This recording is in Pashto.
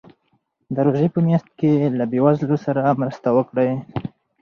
د روژې په میاشت کې له بېوزلو سره مرسته وکړئ.